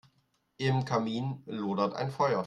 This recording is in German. Im Kamin lodert ein Feuer.